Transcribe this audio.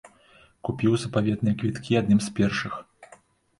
Купіў запаветныя квіткі адным з першых!